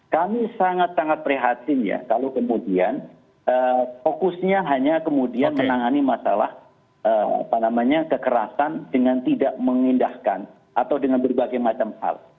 kami sangat sangat prihatin ya kalau kemudian fokusnya hanya kemudian menangani masalah kekerasan dengan tidak mengindahkan atau dengan berbagai macam hal